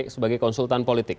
sebagai konsultan politik